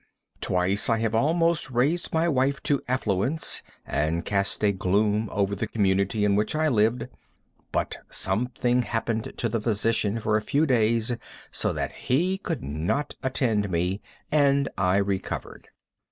Twice I have almost raised my wife to affluence and cast a gloom over the community in which I lived, but something happened to the physician for a few days so that he could not attend to me, and I recovered.